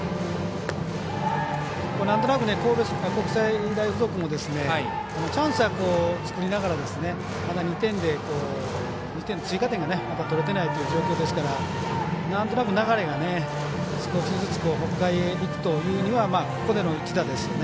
なんとなく神戸国際大付属もチャンスは作りながら２点と追加点が取れていない状況ですからなんとなく流れが少しずつ北海にいくというよりここでの一打ですよね。